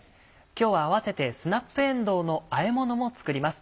今日は併せてスナップえんどうのあえ物も作ります。